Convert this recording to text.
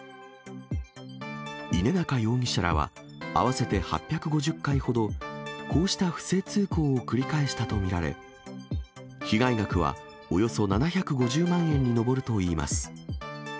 稲中容疑者らは、合わせて８５０回ほどこうした不正通行を繰り返したと見られ、被害額はおよそ７５０万円に上るといいます。